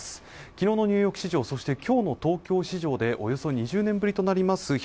昨日のニューヨーク市場そして今日の東京市場でおよそ２０年ぶりとなります